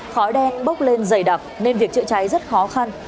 khói đen bốc lên dày đặc nên việc chữa cháy rất khó khăn